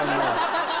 ハハハハ！